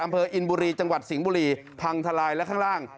อำเภออินบุรีจังหวัดสิงห์บุรีพังทลายและข้างล่าง